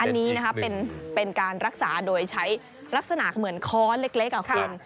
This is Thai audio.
อันนี้เป็นการรักษาโดยใช้ลักษณะเหมือนค้อนเล็กคุณ